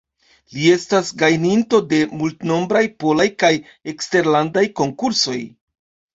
Li estas gajninto de multnombraj polaj kaj eksterlandaj konkursoj.